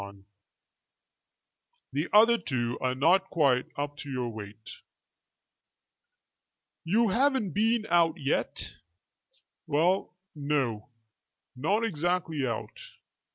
The other two are not quite up to your weight." "You haven't been out yet?" "Well, no; not exactly out.